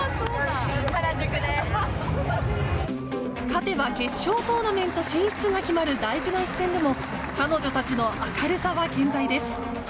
勝てば決勝トーナメント進出が決まる大事な一戦でも彼女たちの明るさは健在です。